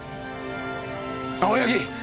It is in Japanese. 青柳！